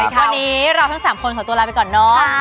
วันนี้เราทั้ง๓คนขอตัวลาไปก่อนเนาะ